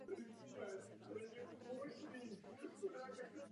Obsluhuje převážně centrum a sídliště na jihu a jihovýchodě města.